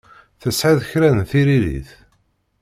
Tesɛiḍ kra n tiririt?